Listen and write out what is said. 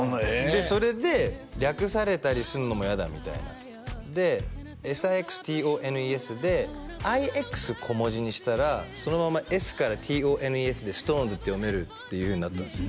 それで略されたりするのも嫌だみたいなで「ＳＩＸＴＯＮＥＳ」で「ＩＸ」小文字にしたらそのままＳからＴＯＮＥＳで「ストーンズ」って読めるっていうふうになったんですよ